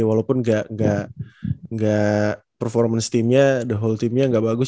walaupun gak performance team nya the whole team nya gak bagus